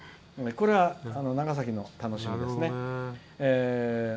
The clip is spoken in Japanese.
これは長崎の楽しみですね。